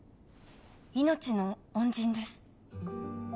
命の恩人です。